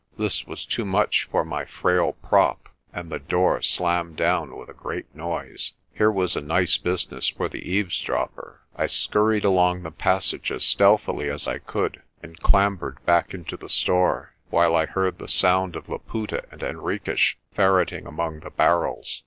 This was too much for my frail prop and the door slammed down with a great noise. Here was a nice business for the eavesdopper! I scur ried along the passage as stealthily as I could and clambered back into the store, while I heard the sound of Laputa and Henriques ferreting among the barrels.